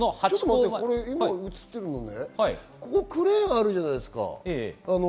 今、映ってるの、クレーンあるじゃないですか。